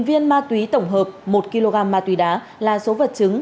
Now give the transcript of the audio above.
một viên ma túy tổng hợp một kg ma túy đá là số vật chứng